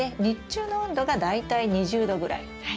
日中の温度が大体２０℃ぐらい。